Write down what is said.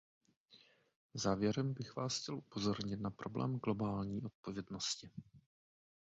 Závěrem bych vás chtěl upozornit na problém globální odpovědnosti.